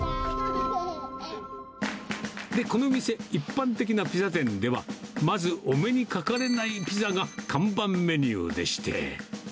で、この店、一般的なピザ店では、まずお目にかかれないピザが看板メニューでして。